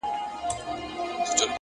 صبر د ناوخته بریا ساتونکی وي